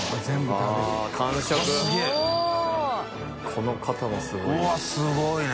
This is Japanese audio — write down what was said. この方はすごいわ。